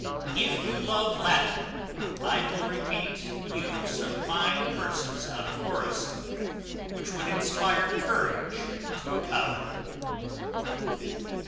If you love Latin, I will repeat you some fine lines out of Horace, which would inspire courage into a coward.